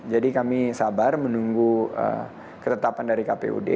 jadi kami sabar menunggu ketetapan dari kpud